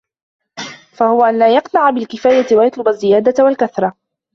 فَهُوَ أَنْ لَا يَقْنَعَ بِالْكِفَايَةِ وَيَطْلُبَ الزِّيَادَةَ وَالْكَثْرَةَ